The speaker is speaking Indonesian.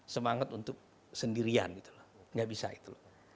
semangat untuk sendirian enggak bisa itu